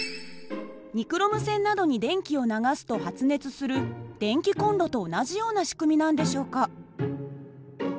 ニクロム線などに電気を流すと発熱する電気コンロと同じような仕組みなんでしょうか？